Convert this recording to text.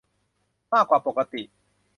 มากกว่าปกติ